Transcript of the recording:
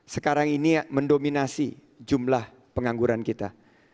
sekarang ini mendominasi jumlah pengangguran kita